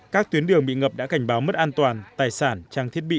các tuyến đường bị ngập đã cảnh báo mất an toàn tài sản trang thiết bị